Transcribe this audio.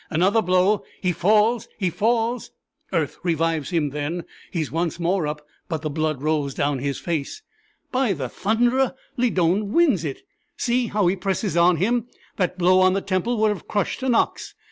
Another blow he falls he falls!" "Earth revives him then. He is once more up; but the blood rolls down his face." "By the Thunderer! Lydon wins it. See how he presses on him! That blow on the temple would have crushed an ox!